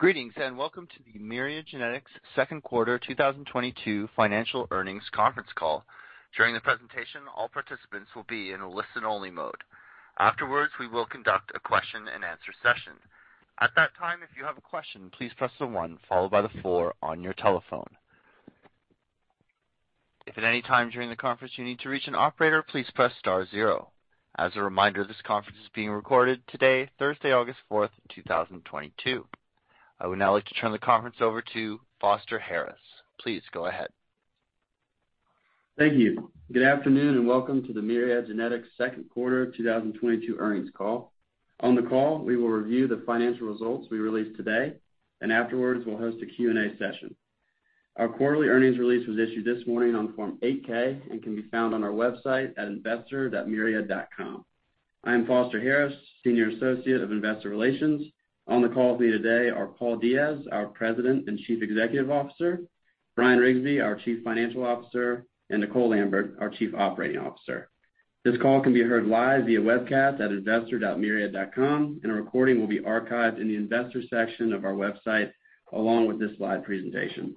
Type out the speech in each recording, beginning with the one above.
Greetings, and welcome to the Myriad Genetics second quarter 2022 financial earnings conference call. During the presentation, all participants will be in a listen-only mode. Afterwards, we will conduct a question-and-answer session. At that time, if you have a question, please press the 1 followed by the 4 on your telephone. If at any time during the conference you need to reach an operator, please press star 0. As a reminder, this conference is being recorded today, Thursday, August 4, 2022. I would now like to turn the conference over to Foster Harris. Please go ahead. Thank you. Good afternoon, and welcome to the Myriad Genetics second quarter 2022 earnings call. On the call, we will review the financial results we released today, and afterwards, we'll host a Q&A session. Our quarterly earnings release was issued this morning on Form 8-K and can be found on our website at investor.myriad.com. I am Foster Harris, Senior Associate of Investor Relations. On the call with me today are Paul Diaz, our President and Chief Executive Officer, Bryan Riggsbee, our Chief Financial Officer, and Nicole Lambert, our Chief Operating Officer. This call can be heard live via webcast at investor.myriad.com, and a recording will be archived in the investors section of our website, along with this live presentation.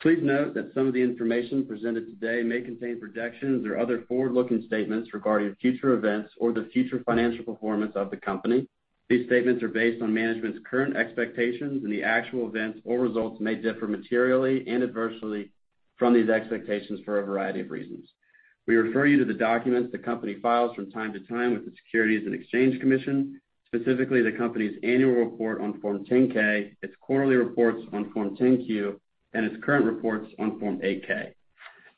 Please note that some of the information presented today may contain projections or other forward-looking statements regarding future events or the future financial performance of the company. These statements are based on management's current expectations, and the actual events or results may differ materially and adversely from these expectations for a variety of reasons. We refer you to the documents the company files from time to time with the Securities and Exchange Commission, specifically the company's annual report on Form 10-K, its quarterly reports on Form 10-Q, and its current reports on Form 8-K.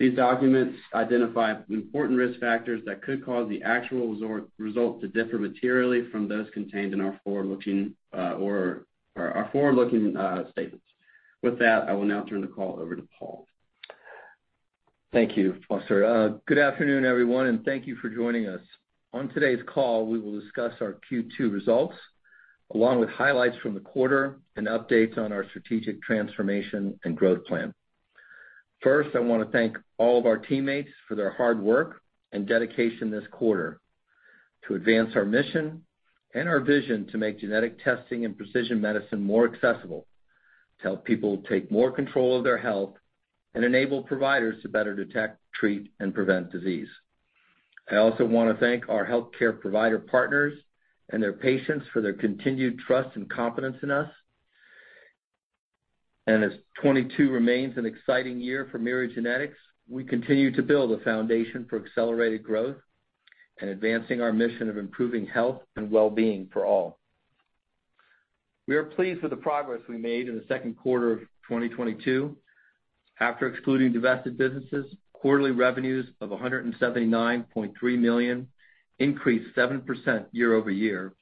These documents identify important risk factors that could cause the actual result to differ materially from those contained in our forward-looking statements. With that, I will now turn the call over to Paul. Thank you, Foster. Good afternoon, everyone, and thank you for joining us. On today's call, we will discuss our Q2 results, along with highlights from the quarter and updates on our strategic transformation and growth plan. First, I wanna thank all of our teammates for their hard work and dedication this quarter to advance our mission and our vision to make genetic testing and precision medicine more accessible, to help people take more control of their health, and enable providers to better detect, treat, and prevent disease. I also wanna thank our healthcare provider partners and their patients for their continued trust and confidence in us. As 2022 remains an exciting year for Myriad Genetics, we continue to build a foundation for accelerated growth and advancing our mission of improving health and well-being for all. We are pleased with the progress we made in the second quarter of 2022. After excluding divested businesses, quarterly revenues of $179.3 million increased 7% year-over-year,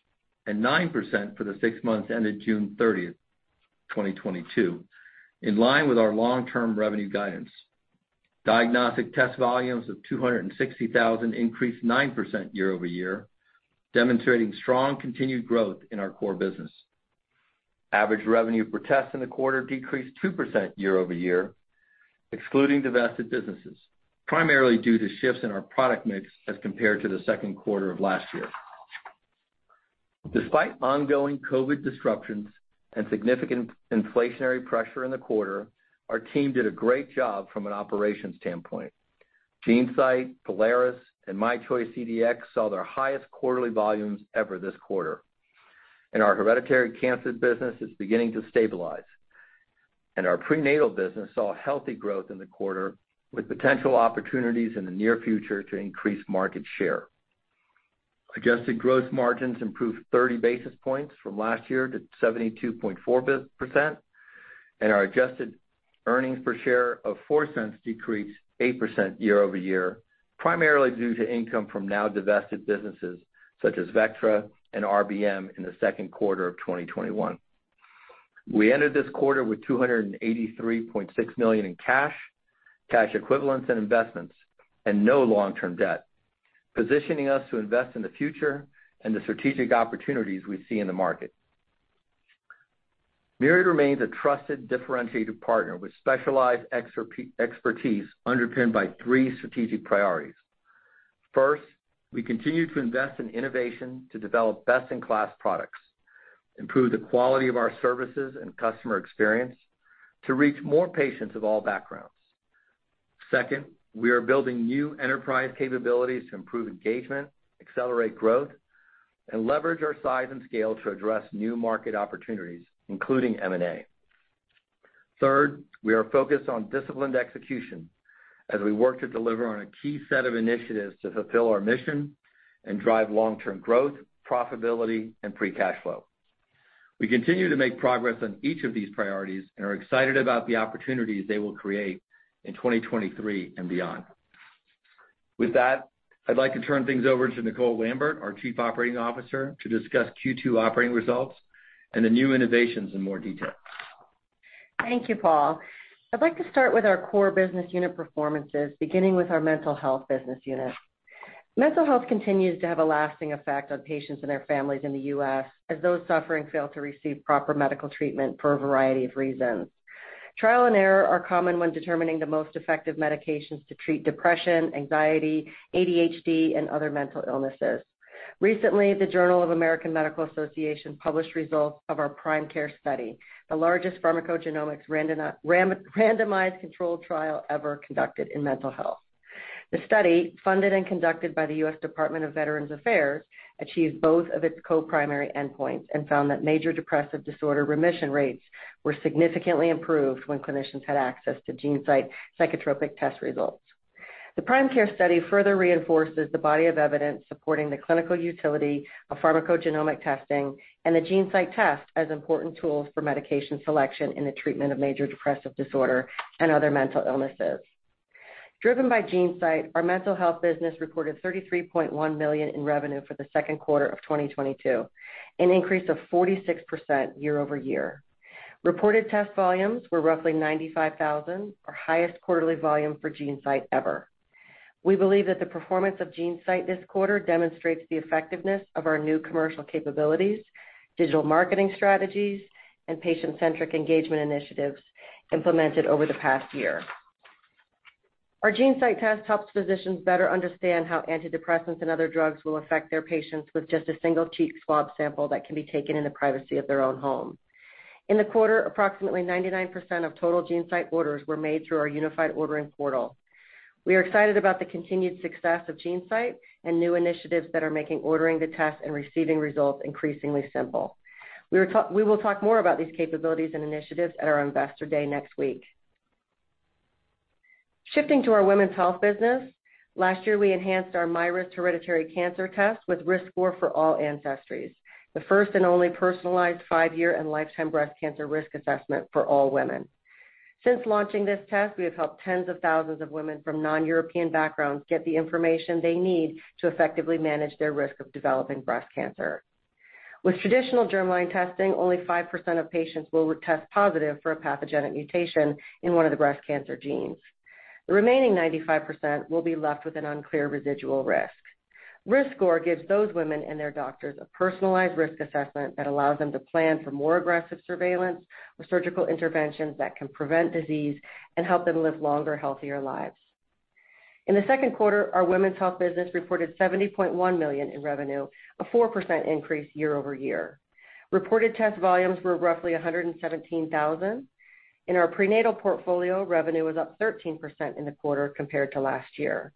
and 9% for the six months ended June 30, 2022, in line with our long-term revenue guidance. Diagnostic test volumes of 260,000 increased 9% year-over-year, demonstrating strong continued growth in our core business. Average revenue per test in the quarter decreased 2% year-over-year, excluding divested businesses, primarily due to shifts in our product mix as compared to the second quarter of last year. Despite ongoing COVID disruptions and significant inflationary pressure in the quarter, our team did a great job from an operations standpoint. GeneSight, Prolaris, and MyChoice CDx saw their highest quarterly volumes ever this quarter, and our hereditary cancer business is beginning to stabilize, and our prenatal business saw healthy growth in the quarter, with potential opportunities in the near future to increase market share. Adjusted gross margins improved 30 basis points from last year to 72.4%, and our adjusted earnings per share of $0.04 decreased 8% year-over-year, primarily due to income from now divested businesses such as Vectra and RBM in the second quarter of 2021. We ended this quarter with $283.6 million in cash equivalents and investments, and no long-term debt, positioning us to invest in the future and the strategic opportunities we see in the market. Myriad remains a trusted, differentiated partner with specialized expertise underpinned by three strategic priorities. First, we continue to invest in innovation to develop best-in-class products, improve the quality of our services and customer experience to reach more patients of all backgrounds. Second, we are building new enterprise capabilities to improve engagement, accelerate growth, and leverage our size and scale to address new market opportunities, including M&A. Third, we are focused on disciplined execution as we work to deliver on a key set of initiatives to fulfill our mission and drive long-term growth, profitability, and free cash flow. We continue to make progress on each of these priorities and are excited about the opportunities they will create in 2023 and beyond. With that, I'd like to turn things over to Nicole Lambert, our Chief Operating Officer, to discuss Q2 operating results and the new innovations in more detail. Thank you, Paul. I'd like to start with our core business unit performances, beginning with our mental health business unit. Mental health continues to have a lasting effect on patients and their families in the U.S., as those suffering fail to receive proper medical treatment for a variety of reasons. Trial and error are common when determining the most effective medications to treat depression, anxiety, ADHD, and other mental illnesses. Recently, the Journal of the American Medical Association published results of our PRIME Care study, the largest pharmacogenomics randomized controlled trial ever conducted in mental health. The study, funded and conducted by the U.S. Department of Veterans Affairs, achieved both of its co-primary endpoints and found that major depressive disorder remission rates were significantly improved when clinicians had access to GeneSight Psychotropic test results. The PRIME Care study further reinforces the body of evidence supporting the clinical utility of pharmacogenomic testing and the GeneSight test as important tools for medication selection in the treatment of major depressive disorder and other mental illnesses. Driven by GeneSight, our mental health business reported $33.1 million in revenue for the second quarter of 2022, an increase of 46% year-over-year. Reported test volumes were roughly 95,000, our highest quarterly volume for GeneSight ever. We believe that the performance of GeneSight this quarter demonstrates the effectiveness of our new commercial capabilities, digital marketing strategies, and patient-centric engagement initiatives implemented over the past year. Our GeneSight test helps physicians better understand how antidepressants and other drugs will affect their patients with just a single cheek swab sample that can be taken in the privacy of their own home. In the quarter, approximately 99% of total GeneSight orders were made through our unified ordering portal. We are excited about the continued success of GeneSight and new initiatives that are making ordering the test and receiving results increasingly simple. We will talk more about these capabilities and initiatives at our Investor Day next week. Shifting to our women's health business, last year we enhanced our MyRisk hereditary cancer test with RiskScore for all ancestries, the first and only personalized five-year and lifetime breast cancer risk assessment for all women. Since launching this test, we have helped tens of thousands of women from non-European backgrounds get the information they need to effectively manage their risk of developing breast cancer. With traditional germline testing, only 5% of patients will test positive for a pathogenic mutation in one of the breast cancer genes. The remaining 95% will be left with an unclear residual risk. RiskScore gives those women and their doctors a personalized risk assessment that allows them to plan for more aggressive surveillance or surgical interventions that can prevent disease and help them live longer, healthier lives. In the second quarter, our women's health business reported $70.1 million in revenue, a 4% increase year-over-year. Reported test volumes were roughly 117,000. In our prenatal portfolio, revenue was up 13% in the quarter compared to last year.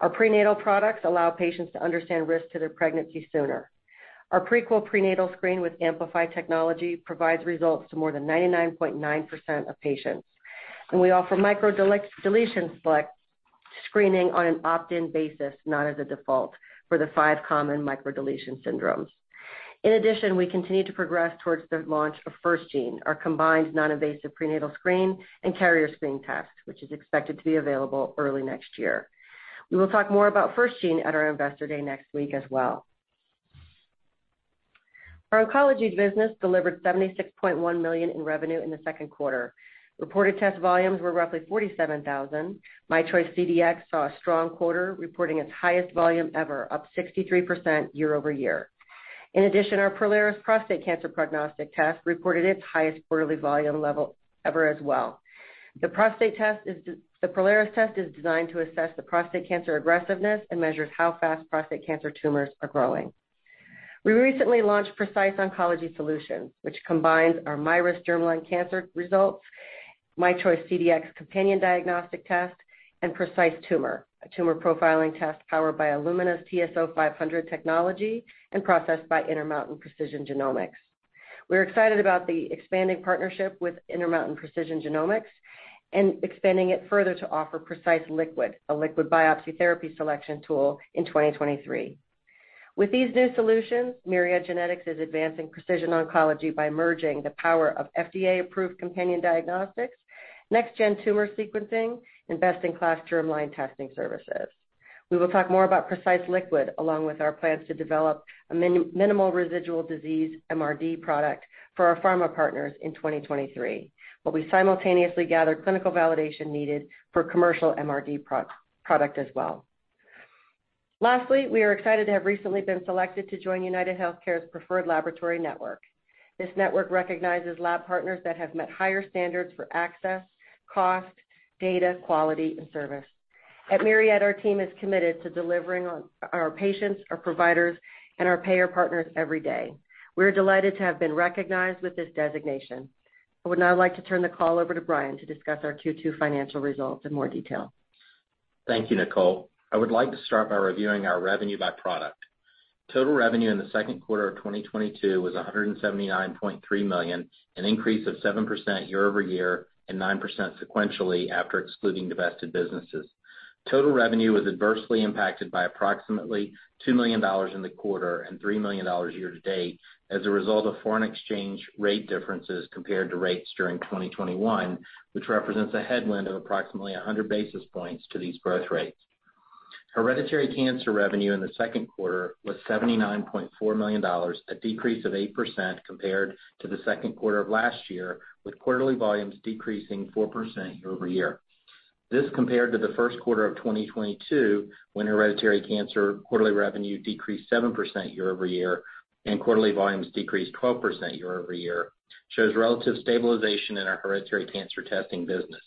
Our prenatal products allow patients to understand risk to their pregnancy sooner. Our Prequel prenatal screen with AMPLIFY technology provides results to more than 99.9% of patients. We offer microdeletion select screening on an opt-in basis, not as a default, for the 5 common microdeletion syndromes. In addition, we continue to progress towards the launch of FirstGene, our combined non-invasive prenatal screen and carrier screening test, which is expected to be available early next year. We will talk more about FirstGene at our Investor Day next week as well. Our oncology business delivered $76.1 million in revenue in the second quarter. Reported test volumes were roughly 47,000. MyChoice CDx saw a strong quarter, reporting its highest volume ever, up 63% year-over-year. In addition, our Prolaris prostate cancer prognostic test reported its highest quarterly volume level ever as well. The Prolaris test is designed to assess the prostate cancer aggressiveness and measures how fast prostate cancer tumors are growing. We recently launched Precise Oncology Solutions, which combines our MyRisk germline cancer results, MyChoice CDx companion diagnostic test, and Precise Tumor, a tumor profiling test powered by Illumina's TSO 500 technology and processed by Intermountain Precision Genomics. We're excited about the expanding partnership with Intermountain Precision Genomics and expanding it further to offer Precise Liquid, a liquid biopsy therapy selection tool, in 2023. With these new solutions, Myriad Genetics is advancing precision oncology by merging the power of FDA-approved companion diagnostics, next-gen tumor sequencing, and best-in-class germline testing services. We will talk more about Precise Liquid, along with our plans to develop a minimal residual disease MRD product for our pharma partners in 2023, while we simultaneously gather clinical validation needed for commercial MRD product as well. Lastly, we are excited to have recently been selected to join UnitedHealthcare's Preferred Laboratory Network. This network recognizes lab partners that have met higher standards for access, cost, data, quality, and service. At Myriad, our team is committed to delivering on our patients, our providers, and our payer partners every day. We're delighted to have been recognized with this designation. I would now like to turn the call over to Bryan to discuss our Q2 financial results in more detail. Thank you, Nicole. I would like to start by reviewing our revenue by product. Total revenue in the second quarter of 2022 was $179.3 million, an increase of 7% year-over-year and 9% sequentially after excluding divested businesses. Total revenue was adversely impacted by approximately $2 million in the quarter and $3 million year to date as a result of foreign exchange rate differences compared to rates during 2021, which represents a headwind of approximately 100 basis points to these growth rates. Hereditary cancer revenue in the second quarter was $79.4 million, a decrease of 8% compared to the second quarter of last year, with quarterly volumes decreasing 4% year-over-year. This compared to the first quarter of 2022, when hereditary cancer quarterly revenue decreased 7% year-over-year and quarterly volumes decreased 12% year-over-year, shows relative stabilization in our hereditary cancer testing business.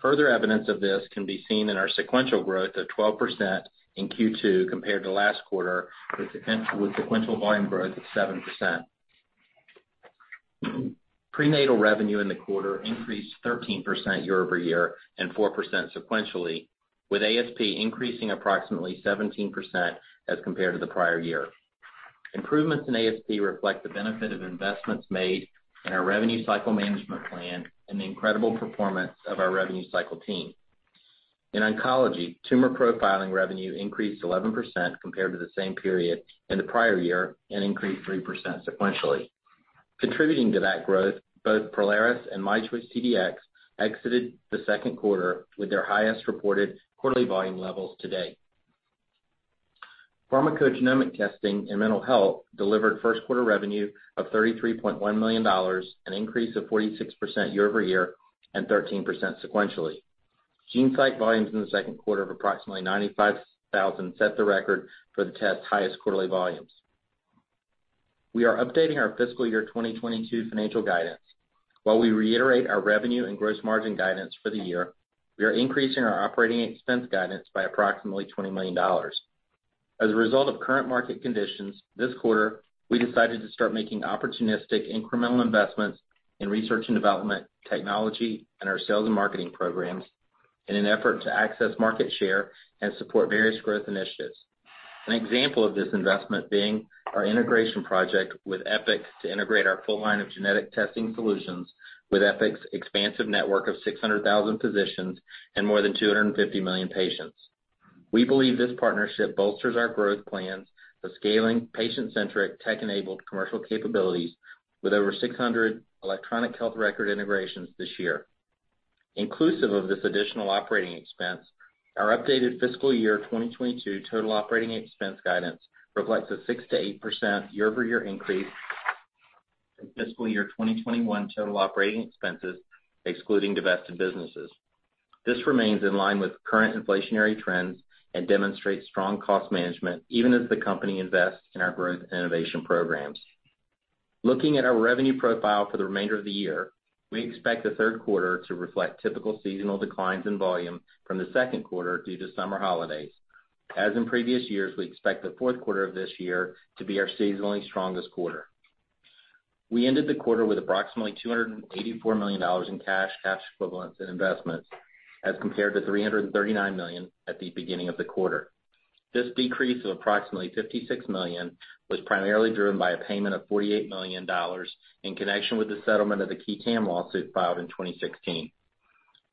Further evidence of this can be seen in our sequential growth of 12% in Q2 compared to last quarter, with sequential volume growth of 7%. Prenatal revenue in the quarter increased 13% year-over-year and 4% sequentially, with ASP increasing approximately 17% as compared to the prior year. Improvements in ASP reflect the benefit of investments made in our revenue cycle management plan and the incredible performance of our revenue cycle team. In oncology, tumor profiling revenue increased 11% compared to the same period in the prior year and increased 3% sequentially. Contributing to that growth, both Prolaris and MyChoice CDx exited the second quarter with their highest reported quarterly volume levels to date. Pharmacogenomic testing in mental health delivered first quarter revenue of $33.1 million, an increase of 46% year-over-year and 13% sequentially. GeneSight volumes in the second quarter of approximately 95,000 set the record for the test's highest quarterly volumes. We are updating our fiscal year 2022 financial guidance. While we reiterate our revenue and gross margin guidance for the year, we are increasing our operating expense guidance by approximately $20 million. As a result of current market conditions, this quarter, we decided to start making opportunistic incremental investments in research and development, technology, and our sales and marketing programs in an effort to access market share and support various growth initiatives. An example of this investment is our integration project with Epic to integrate our full line of genetic testing solutions with Epic's expansive network of 600,000 physicians and more than 250 million patients. We believe this partnership bolsters our growth plans for scaling patient-centric, tech-enabled commercial capabilities with over 600 electronic health record integrations this year. Inclusive of this additional operating expense, our updated fiscal year 2022 total operating expense guidance reflects a 6%-8% year-over-year increase in fiscal year 2021 total operating expenses, excluding divested businesses. This remains in line with current inflationary trends and demonstrates strong cost management, even as the company invests in our growth and innovation programs. Looking at our revenue profile for the remainder of the year, we expect the third quarter to reflect typical seasonal declines in volume from the second quarter due to summer holidays. As in previous years, we expect the fourth quarter of this year to be our seasonally strongest quarter. We ended the quarter with approximately $284 million in cash equivalents, and investments, as compared to $339 million at the beginning of the quarter. This decrease of approximately $56 million was primarily driven by a payment of $48 million in connection with the settlement of the qui tam lawsuit filed in 2016.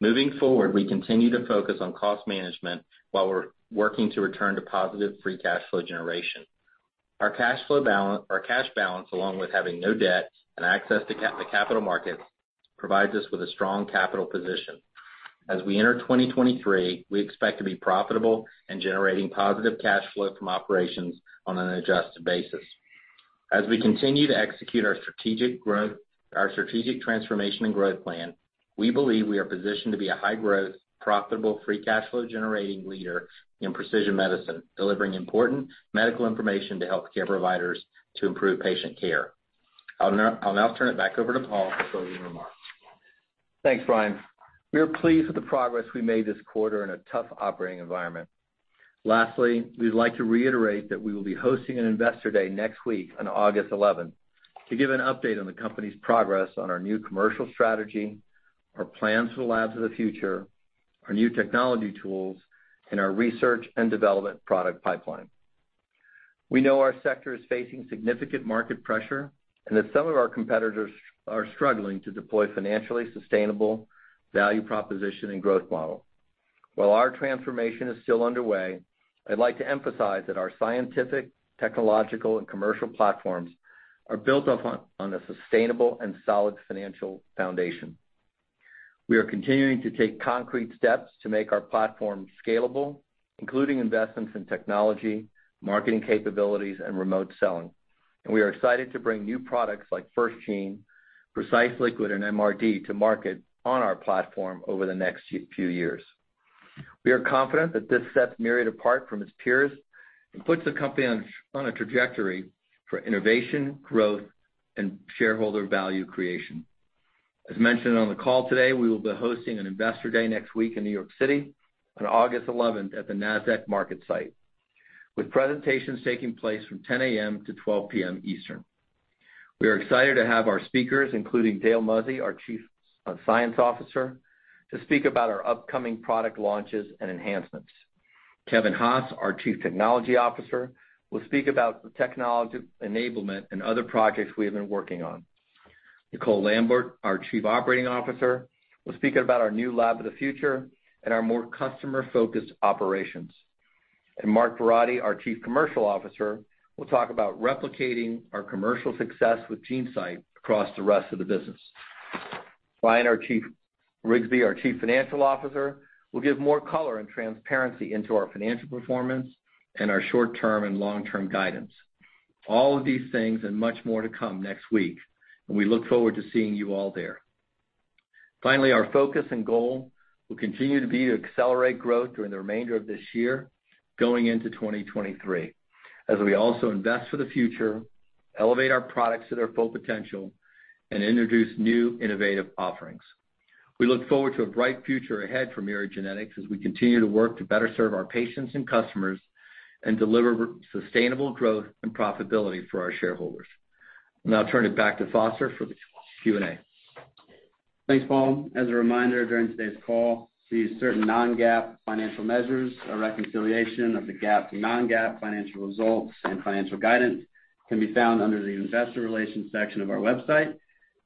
Moving forward, we continue to focus on cost management while we're working to return to positive free cash flow generation. Our cash balance, along with having no debt and access to capital markets, provides us with a strong capital position. As we enter 2023, we expect to be profitable and generating positive cash flow from operations on an adjusted basis. As we continue to execute our strategic transformation and growth plan, we believe we are positioned to be a high-growth, profitable, free cash flow-generating leader in precision medicine, delivering important medical information to healthcare providers to improve patient care. I'll now turn it back over to Paul for closing remarks. Thanks, Bryan. We are pleased with the progress we made this quarter in a tough operating environment. We'd like to reiterate that we will be hosting an investor day next week on August eleventh to give an update on the company's progress on our new commercial strategy, our plans for the labs of the future, our new technology tools, and our research and development product pipeline. We know our sector is facing significant market pressure and that some of our competitors are struggling to deploy financially sustainable value proposition and growth model. While our transformation is still underway, I'd like to emphasize that our scientific, technological, and commercial platforms are built upon a sustainable and solid financial foundation. We are continuing to take concrete steps to make our platform scalable, including investments in technology, marketing capabilities, and remote selling. We are excited to bring new products like FirstGene, Precise Liquid, and MRD to market on our platform over the next few years. We are confident that this sets Myriad apart from its peers and puts the company on a trajectory for innovation, growth, and shareholder value creation. As mentioned on the call today, we will be hosting an investor day next week in New York City on August eleventh at the Nasdaq market site, with presentations taking place from 10 A.M. to 12 P.M. Eastern. We are excited to have our speakers, including Dale Muzzey, our Chief Scientific Officer, to speak about our upcoming product launches and enhancements. Kevin Haas, our Chief Technology Officer, will speak about the technology enablement and other projects we have been working on. Nicole Lambert, our Chief Operating Officer, will speak about our new lab of the future and our more customer-focused operations. Mark Verratti, our Chief Commercial Officer, will talk about replicating our commercial success with GeneSight across the rest of the business. Bryan Riggsbee, our Chief Financial Officer, will give more color and transparency into our financial performance and our short-term and long-term guidance. All of these things and much more to come next week, and we look forward to seeing you all there. Finally, our focus and goal will continue to be to accelerate growth during the remainder of this year, going into 2023, as we also invest for the future, elevate our products to their full potential, and introduce new innovative offerings. We look forward to a bright future ahead for Myriad Genetics as we continue to work to better serve our patients and customers and deliver sustainable growth and profitability for our shareholders. I'll now turn it back to Foster for the Q&A. Thanks, Paul. As a reminder, during today's call, we use certain non-GAAP financial measures. A reconciliation of the GAAP to non-GAAP financial results and financial guidance can be found under the investor relations section of our website.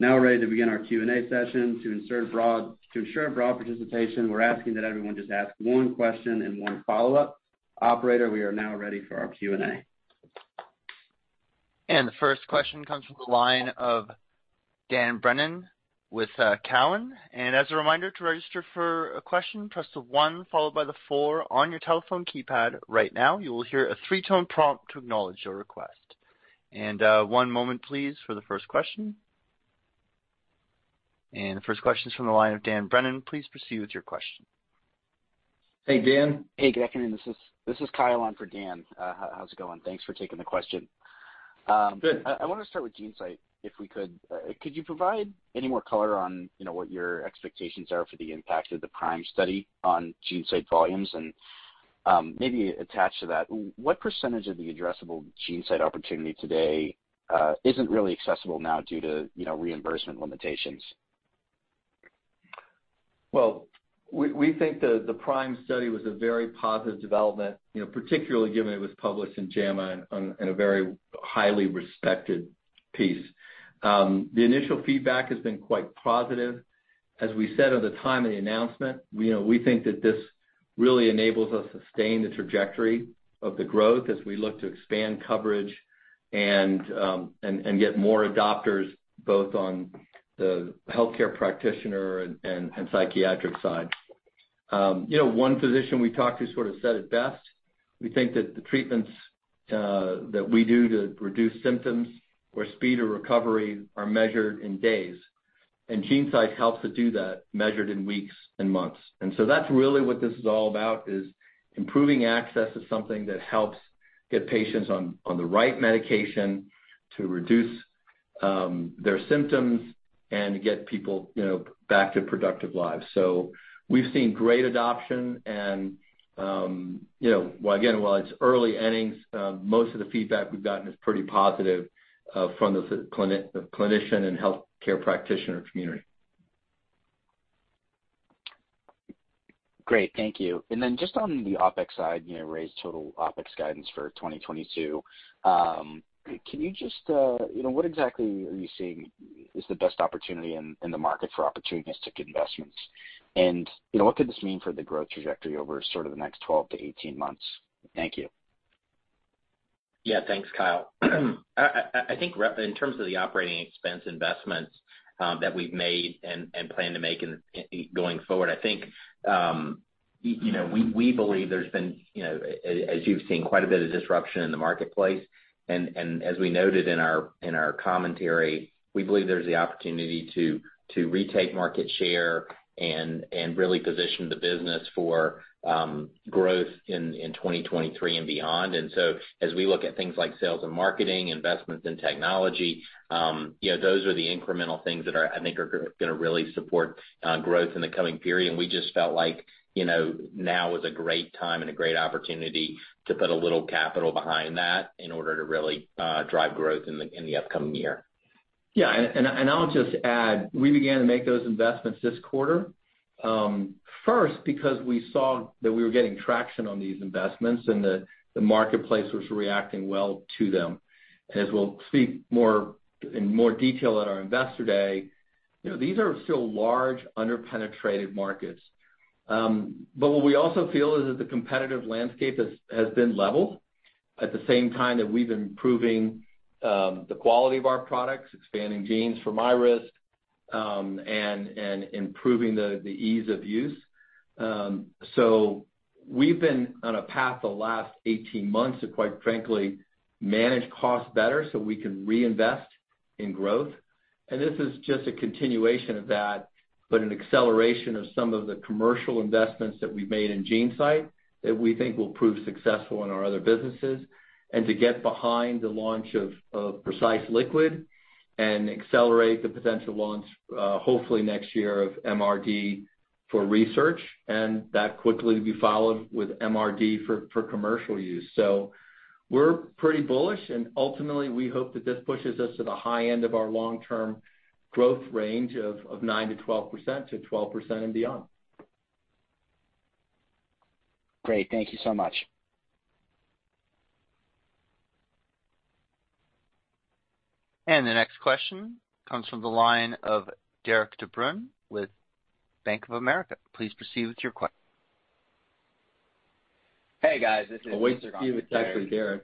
Now we're ready to begin our Q&A session. To ensure broad participation, we're asking that everyone just ask one question and one follow-up. Operator, we are now ready for our Q&A. The first question comes from the line of Dan Brennan with Cowen. As a reminder, to register for a question, press the one followed by the four on your telephone keypad right now. You will hear a three-tone prompt to acknowledge your request. One moment please for the first question. The first question is from the line of Dan Brennan. Please proceed with your question. Hey, Dan. Hey, good afternoon. This is Kyle on for Dan. How's it going? Thanks for taking the question. Good. I wanna start with GeneSight, if we could. Could you provide any more color on, you know, what your expectations are for the impact of the PRIME study on GeneSight volumes? Maybe attached to that, what percentage of the addressable GeneSight opportunity today isn't really accessible now due to, you know, reimbursement limitations? Well, we think the PRIME study was a very positive development, you know, particularly given it was published in JAMA in a very highly respected piece. The initial feedback has been quite positive. As we said at the time of the announcement, you know, we think that this really enables us to sustain the trajectory of the growth as we look to expand coverage and get more adopters, both on the healthcare practitioner and psychiatric side. You know, one physician we talked to sort of said it best. We think that the treatments that we do to reduce symptoms where speed or recovery are measured in days, and GeneSight helps to do that measured in weeks and months. That's really what this is all about, is improving access to something that helps get patients on the right medication to reduce their symptoms and get people, you know, back to productive lives. We've seen great adoption and, you know, while again, it's early innings, most of the feedback we've gotten is pretty positive from the clinician and healthcare practitioner community. Great. Thank you. Then just on the OpEx side, you know, raised total OpEx guidance for 2022. Can you just, you know, what exactly are you seeing is the best opportunity in the market for opportunistic investments? You know, what could this mean for the growth trajectory over sort of the next 12-18 months? Thank you. Yeah. Thanks, Kyle. I think in terms of the operating expense investments that we've made and plan to make in going forward, I think, you know, we believe there's been, you know, as you've seen, quite a bit of disruption in the marketplace. As we noted in our commentary, we believe there's the opportunity to retake market share and really position the business for growth in 2023 and beyond. As we look at things like sales and marketing, investments in technology, you know, those are the incremental things that are, I think, gonna really support growth in the coming period. We just felt like, you know, now is a great time and a great opportunity to put a little capital behind that in order to really drive growth in the upcoming year. I'll just add, we began to make those investments this quarter, first because we saw that we were getting traction on these investments and that the marketplace was reacting well to them. As we'll see more in more detail at our Investor Day, you know, these are still large, under-penetrated markets. What we also feel is that the competitive landscape has been leveled at the same time that we've been improving the quality of our products, expanding genes for MyRisk, and improving the ease of use. We've been on a path the last 18 months to, quite frankly, manage costs better so we can reinvest in growth. This is just a continuation of that, but an acceleration of some of the commercial investments that we've made in GeneSight that we think will prove successful in our other businesses and to get behind the launch of Precise Liquid and accelerate the potential launch, hopefully next year, of MRD for research, and that quickly to be followed with MRD for commercial use. We're pretty bullish, and ultimately, we hope that this pushes us to the high end of our long-term growth range of 9%-12%, to 12% and beyond. Great. Thank you so much. The next question comes from the line of Derik De Bruin with Bank of America. Please proceed with your que- Hey, guys. This is Nisarg on for Derik De Bruin. Oh, wait till you attack for Derik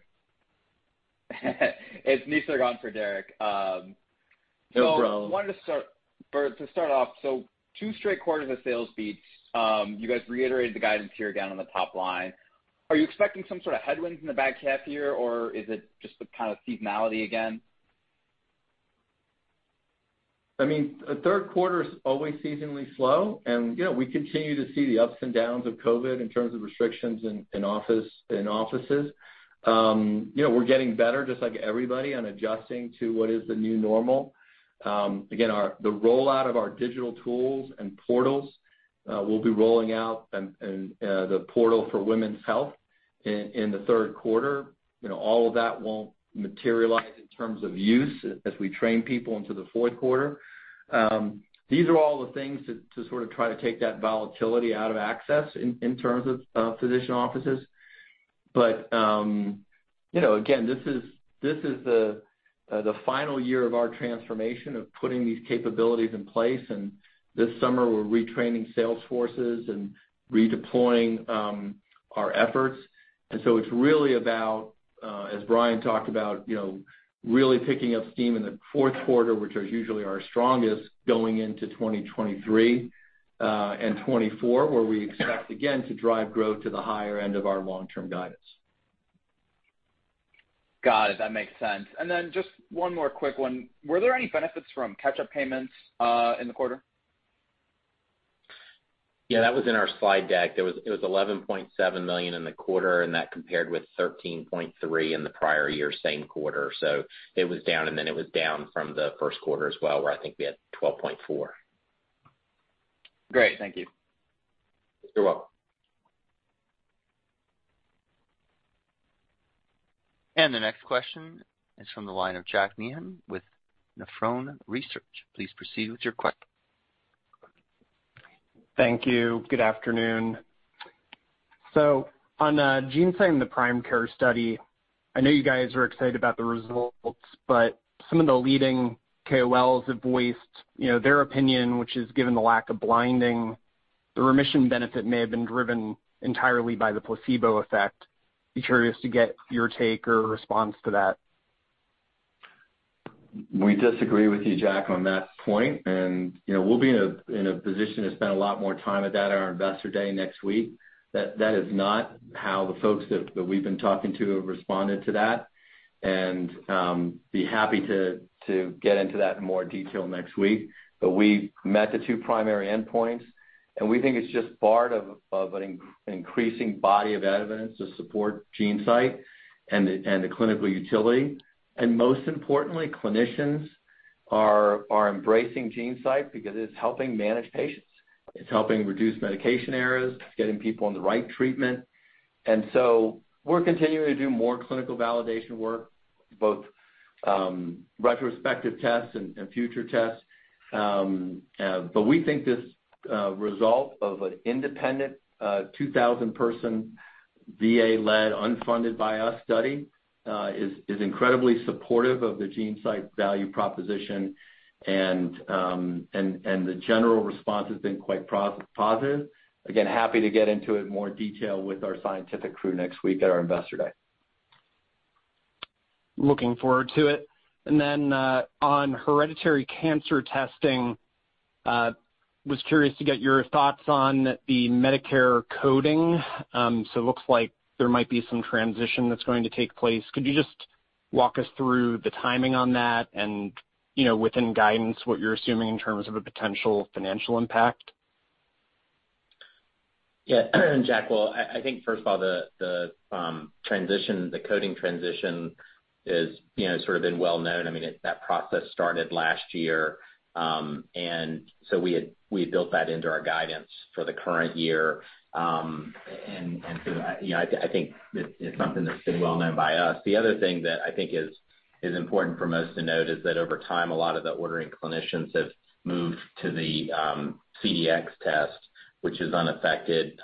De Bruin. It's Nisarg on for Derik De Bruin. I wanted to start off, so two straight quarters of sales beats. You guys reiterated the guidance here down on the top line. Are you expecting some sort of headwinds in the back half year, or is it just the kind of seasonality again? I mean, the third quarter is always seasonally slow, and, you know, we continue to see the ups and downs of COVID in terms of restrictions in offices. You know, we're getting better just like everybody on adjusting to what is the new normal. Again, the rollout of our digital tools and portals, we'll be rolling out and the portal for women's health in the third quarter. You know, all of that won't materialize in terms of use as we train people into the fourth quarter. These are all the things to sort of try to take that volatility out of access in terms of physician offices. You know, again, this is the final year of our transformation of putting these capabilities in place, and this summer we're retraining sales forces and redeploying our efforts. It's really about, as Bryan talked about, you know, really picking up steam in the fourth quarter, which is usually our strongest going into 2023 and 2024, where we expect again to drive growth to the higher end of our long-term guidance. Got it. That makes sense. Just one more quick one. Were there any benefits from catch-up payments in the quarter? Yeah, that was in our slide deck. It was $11.7 million in the quarter, and that compared with $13.3 million in the prior year same quarter. It was down, and then it was down from the first quarter as well, where I think we had $12.4 million. Great. Thank you. You're welcome. The next question is from the line of Jack Meehan with Nephron Research. Please proceed with your question. Thank you. Good afternoon. On GeneSight and the PRIME Care study, I know you guys are excited about the results, but some of the leading KOLs have voiced, you know, their opinion, which is given the lack of blinding, the remission benefit may have been driven entirely by the placebo effect. I'd be curious to get your take or response to that. We disagree with you, Jack, on that point. You know, we'll be in a position to spend a lot more time on that at our Investor Day next week. That is not how the folks that we've been talking to have responded to that. We'll be happy to get into that in more detail next week. We met the two primary endpoints, and we think it's just part of an increasing body of evidence to support GeneSight and the clinical utility. Most importantly, clinicians are embracing GeneSight because it's helping manage patients. It's helping reduce medication errors. It's getting people on the right treatment. We're continuing to do more clinical validation work, both retrospective tests and future tests. We think this result of an independent 2,000-person VA-led, unfunded by us study is incredibly supportive of the GeneSight value proposition and the general response has been quite positive. Again, happy to get into it in more detail with our scientific crew next week at our Investor Day. Looking forward to it. Then, on hereditary cancer testing, was curious to get your thoughts on the Medicare coding. Looks like there might be some transition that's going to take place. Could you just walk us through the timing on that and, you know, within guidance, what you're assuming in terms of a potential financial impact? Yeah. Jack, well, I think first of all the transition, the coding transition is, you know, sort of been well known. I mean, that process started last year. We had built that into our guidance for the current year. You know, I think it's something that's been well known by us. The other thing that I think is important for most to note is that over time a lot of the ordering clinicians have moved to the CDx test, which is unaffected.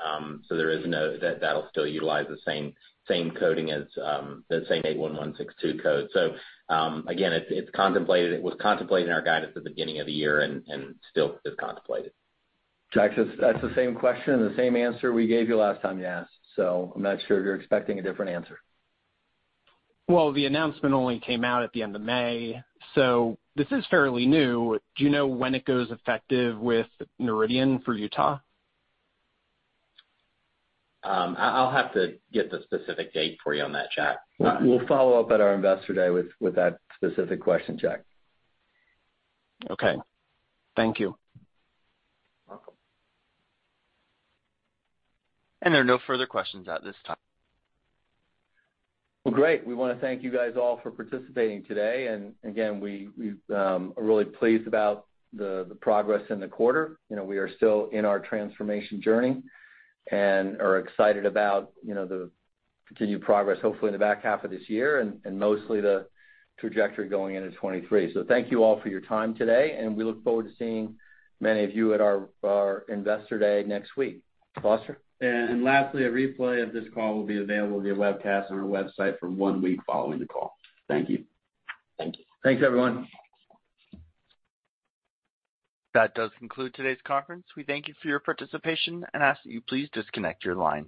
So there is no. That'll still utilize the same coding as the same 81162 code. So, again, it's contemplated. It was contemplated in our guidance at the beginning of the year and still is contemplated. Jack, that's the same question and the same answer we gave you last time you asked, so I'm not sure if you're expecting a different answer. Well, the announcement only came out at the end of May, so this is fairly new. Do you know when it goes effective with Noridian for Utah? I'll have to get the specific date for you on that, Jack. We'll follow up at our Investor Day with that specific question, Jack. Okay. Thank you. You're welcome. There are no further questions at this time. Well, great. We wanna thank you guys all for participating today. Again, we are really pleased about the progress in the quarter. You know, we are still in our transformation journey and are excited about, you know, the continued progress, hopefully in the back half of this year and mostly the trajectory going into 2023. Thank you all for your time today, and we look forward to seeing many of you at our Investor Day next week. Foster? Lastly, a replay of this call will be available via webcast on our website for one week following the call. Thank you. Thank you. Thanks, everyone. That does conclude today's conference. We thank you for your participation and ask that you please disconnect your lines.